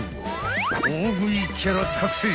［大食いキャラ覚醒！］